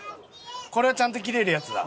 これはちゃんと切れるやつだ。